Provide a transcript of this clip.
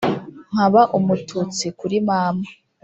nkaba Umututsi kuri Mama.